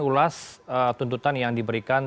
ulas tuntutan yang diberikan